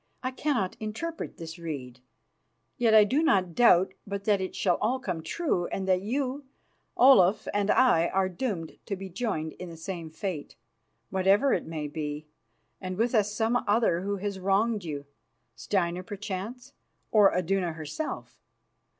I cannot interpret this rede, yet I do not doubt but that it shall all come true, and that you, Olaf, and I are doomed to be joined in the same fate, whatever it may be, and with us some other who has wronged you, Steinar perchance, or Iduna herself.